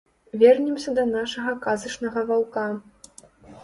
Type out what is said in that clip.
Вернемся да нашага казачнага ваўка.